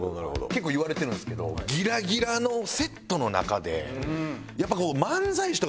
結構言われてるんですけどギラギラのセットの中で。